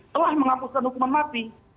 telah menghapuskan hukuman mati